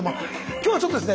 今日はちょっとですね